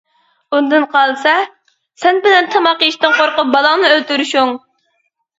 ئۇندىن قالسا؟ سەن بىلەن تاماق يېيىشتىن قورقۇپ بالاڭنى ئۆلتۈرۈشۈڭ.